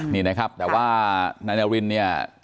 นี่นะครับแต่ว่านายนารินเนี่ย